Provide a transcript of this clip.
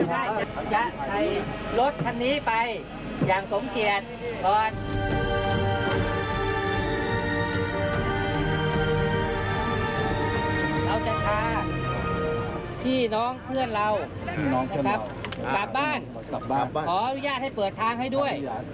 เราจะพาพี่น้องเพื่อนเรานะครับกลับบ้านขออนุญาตให้เปิดทางให้ด้วย